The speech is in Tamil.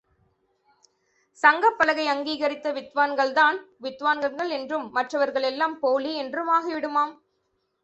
சங்கப் பலகை அங்கீகரித்த வித்வான்கள்தான் வித்வான்கள் என்றும் மற்றவர்கள் எல்லாம் போலி என்றும் ஆகிவிடுமாம்.